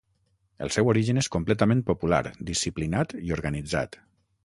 El seu origen és completament popular, disciplinat i organitzat.